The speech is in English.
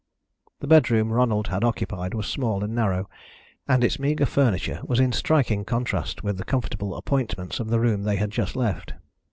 The bedroom Ronald had occupied was small and narrow, and its meagre furniture was in striking contrast with the comfortable appointments of the room they had just left.